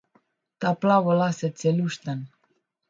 Ta plavolasec je lušten.